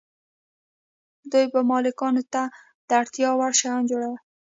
دوی به مالکانو ته د اړتیا وړ شیان جوړول.